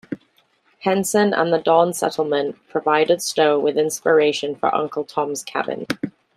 Henson and the Dawn Settlement provided Stowe with the inspiration for "Uncle Tom's Cabin".